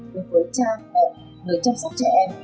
đối với cha mẹ người chăm sóc trẻ em